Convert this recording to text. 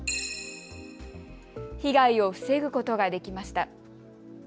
被害を防ぐことができました。